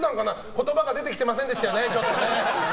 言葉が出てきてませんでしたよねちょっとね。